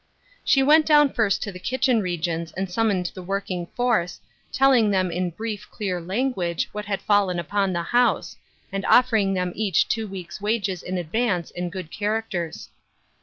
She went down first to the kitchen regions and summoned the working force, telling the*u 180 Ruth Urskine's Crosses. in brief, clear language, what had fallen upon the house, and offering them each two weeks' wages in advance and good characters.